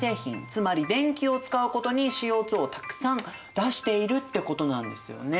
つまり電気を使うことにＣＯ２をたくさん出しているってことなんですよね。